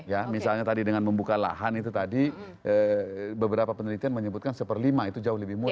ya misalnya tadi dengan membuka lahan itu tadi beberapa penelitian menyebutkan satu per lima itu jauh lebih murah